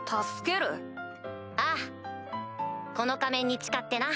ああこの仮面に誓ってな。